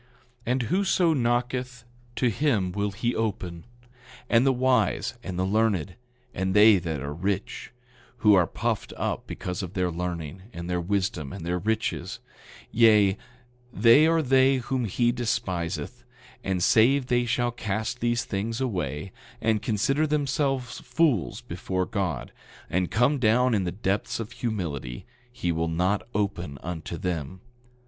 9:42 And whoso knocketh, to him will he open; and the wise, and the learned, and they that are rich, who are puffed up because of their learning, and their wisdom, and their riches—yea, they are they whom he despiseth; and save they shall cast these things away, and consider themselves fools before God, and come down in the depths of humility, he will not open unto them.